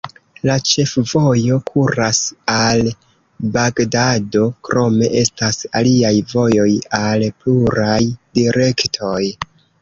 La ĉefvojo kuras al Bagdado, krome estas aliaj vojoj al pluraj direktoj.